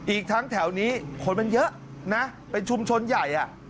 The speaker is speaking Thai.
อีกทั้งแถวนี้คนมันเยอะนะเป็นชุมชนใหญ่